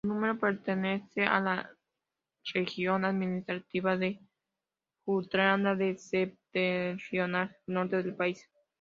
El municipio pertenece a la región administrativa de Jutlandia Septentrional, al norte del país.